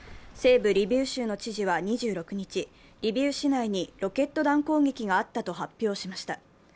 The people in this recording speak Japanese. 西部リビウ州の知事は２６日、リビウ市内にロケット弾攻撃があったと発表しました。